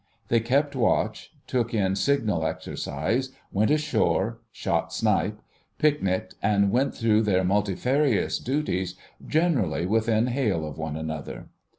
They kept watch, took in signal exercise, went ashore, shot snipe, picnicked and went through their multifarious duties generally within hail of one another.